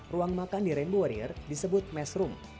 ruang makan di rainbow warrior disebut mess room